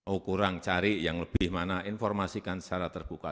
oh kurang cari yang lebih mana informasikan secara terbuka